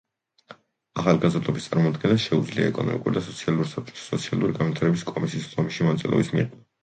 ახალგაზრდობის წარმომადგენელს შეუძლია ეკონომიკური და სოციალური საბჭოს სოციალური განვითარების კომისიის სხდომებში მონაწილეობის მიღება.